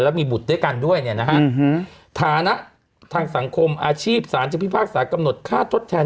และมีบุตรด้วยกันด้วยเนี่ยนะฮะฐานะทางสังคมอาชีพสารจะพิพากษากำหนดค่าทดแทน